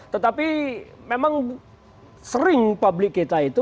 tetapi memang sering publik kita itu